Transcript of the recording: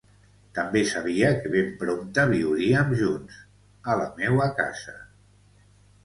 També sabia que ben prompte viuríem junts, a la meua casa.